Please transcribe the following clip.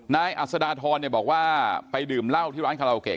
อัศดาทรบอกว่าไปดื่มเหล้าที่ร้านคาราโอเกะ